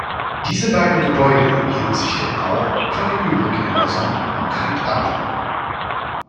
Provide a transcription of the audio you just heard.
Diese beiden Gebäude heben sich denn auch von den übrigen Häusern markant ab.